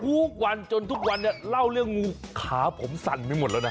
ทุกวันจนทุกวันนี้เล่าเรื่องงูขาผมสั่นไปหมดแล้วนะ